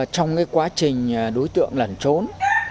trong quá trình đối tượng lẩn trốn